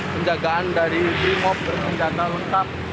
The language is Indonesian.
penjagaan dari brimob bersenjata lengkap